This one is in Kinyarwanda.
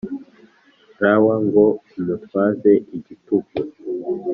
Lw ngo umutwaze igitugu